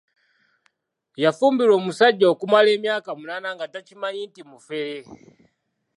Yafumbirwa omusajja okumala emyaka munaana nga takimanyi nti mufere.